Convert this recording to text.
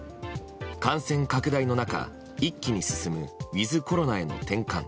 感染拡大の中、一気に進むウィズコロナへの転換。